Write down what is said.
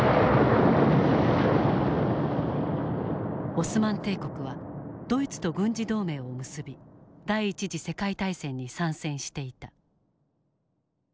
オスマン帝国はドイツと軍事同盟を結び第一次世界大戦に参戦していた。